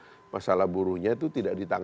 karena masalah buruh ini berulang ulang